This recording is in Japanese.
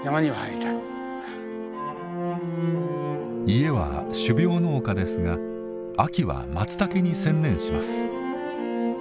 家は種苗農家ですが秋はまつたけに専念します。